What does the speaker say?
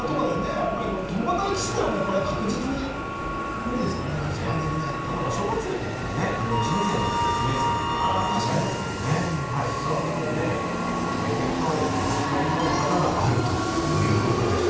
今、働き方とかでね共働きしていたら確実に無理ですからね、留守番、小学生といってもね、１年生と６年生とは違いますけれどもね。ということで、結果はですね８割以上の方があるということでした。